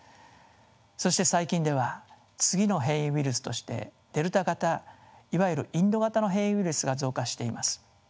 そして最近では次の変異ウイルスとしてデルタ型いわゆるインド型の変異ウイルスが増加しています。